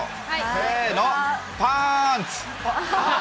せーの、パンツ！